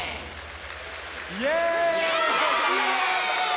イエーイ！